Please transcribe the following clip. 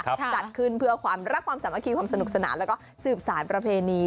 จัดขึ้นเพื่อความรักความสามัคคีความสนุกสนานแล้วก็สืบสารประเพณี